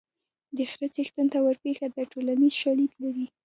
د خره څښتن ته ورپېښه ده ټولنیز شالید لري